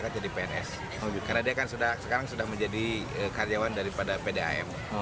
karena dia kan sekarang sudah menjadi karyawan daripada pdam